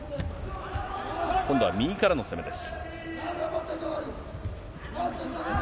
今度は右からの攻めです。